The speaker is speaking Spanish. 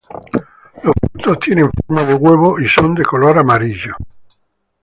Los frutos tienen forma de huevo y son de color amarillo.